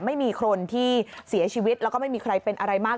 ไม่มีคนที่เสียชีวิตแล้วก็ไม่มีใครเป็นอะไรมาก